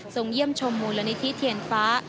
เยี่ยมชมมูลนิธิเทียนฟ้า